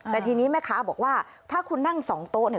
แต่ทีนี้แม่ค้าบอกว่าถ้าคุณนั่ง๒โต๊ะ